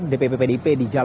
dpp pdip dijalankan